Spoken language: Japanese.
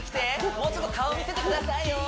もうちょっと顔見せてくださいよ